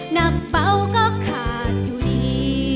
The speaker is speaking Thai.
หนักเป้าก็ขาดอยู่ดี